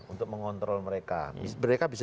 untuk mengontrol mereka mereka bisa